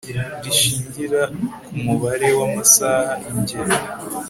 rishingira ku mubare w'amasaha.ingero